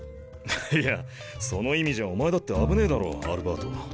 いやその意味じゃお前だって危ねぇだろアルバート。